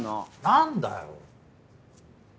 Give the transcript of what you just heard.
何だよ。